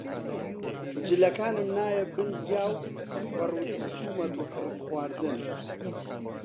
جلەکانم نایە بن گیا و بە ڕووتی چوومە تووتڕک خواردن